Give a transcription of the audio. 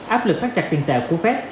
áp lực phát trạc tiền tạp của phép